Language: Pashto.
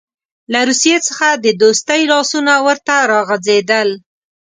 له روسیې څخه د دوستۍ لاسونه ورته راغځېدل.